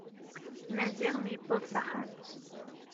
Maziɣ mi yewweḍ s axxam.